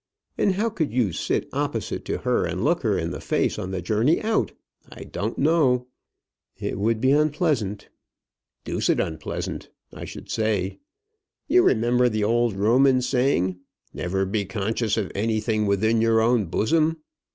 And how you could sit opposite to her and look her in the face on the journey out, I don't know." "It would be unpleasant." "Deuced unpleasant, I should say. You remember the old Roman saying, 'Never be conscious of anything within your own bosom.'